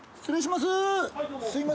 失礼します。